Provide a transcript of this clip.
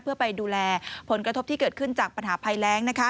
เพื่อไปดูแลผลกระทบที่เกิดขึ้นจากปัญหาภัยแรง